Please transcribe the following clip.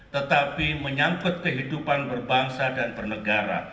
tetapi menyangkut kehidupan berbangsa dan bernegara